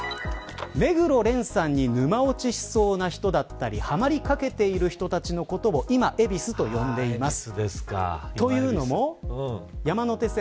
目黒蓮さんに沼落ちしそうな人だったり、はまりりかけている人たちのことを今恵比寿と呼んでいます。